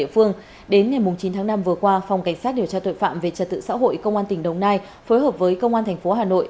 vừa qua phòng cảnh sát điều tra tội phạm về trật tự xã hội công an tỉnh đồng nai phối hợp với công an thành phố hà nội